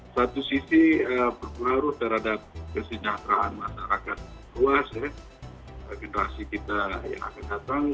satu sisi berpengaruh terhadap kesejahteraan masyarakat luas generasi kita yang akan datang